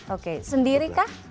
oke sendiri kah